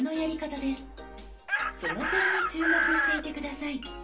その点に注目していて下さい。